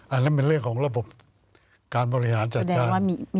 อันนั้นเป็นเรื่องของระบบการบริหารจัดการ